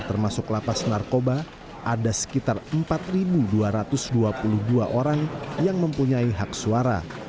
termasuk lapas narkoba ada sekitar empat dua ratus dua puluh dua orang yang mempunyai hak suara